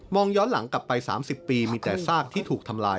ย้อนหลังกลับไป๓๐ปีมีแต่ซากที่ถูกทำลาย